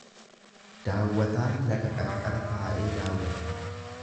Daawwataan laga qarqara taa'ee daawwata.